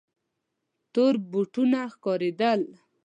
تور بوټونه ښکارېدل.